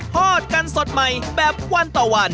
ทอดกันสดใหม่แบบวันต่อวัน